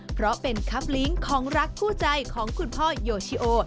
เพราะเป็นคับลิงก์ของรักคู่ใจของคุณพ่อโยชิโอ